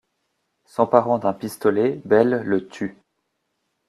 S'emparant d'un pistolet, Belle le tue.